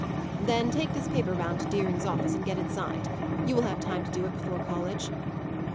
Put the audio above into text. "Then take this paper round to Deering's office, and get it signed. You will have time to do it before college."